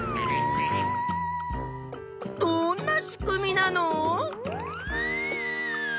どんな仕組みなの？